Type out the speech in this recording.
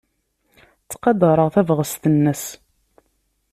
Ttqadareɣ tabɣest-nnes.